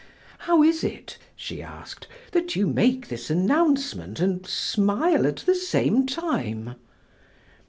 "How is it," she asked, "that you make this announcement and smile at the same time?"